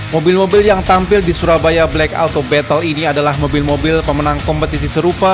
mobil mobil yang tampil di surabaya black auto battle ini adalah mobil mobil pemenang kompetisi serupa